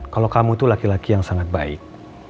kalau kamu itu laki laki yang sangat baik